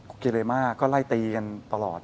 เกเรมาก็ไล่ตีกันตลอด